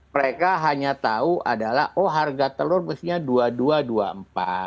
mereka hanya tahu adalah oh harga telur mestinya rp dua puluh dua